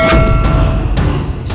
siapa sebenarnya dia